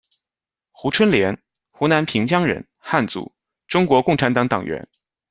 胡春莲，湖南平江人，汉族，中国共产党党员。